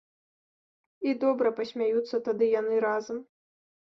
І добра пасмяюцца тады яны разам.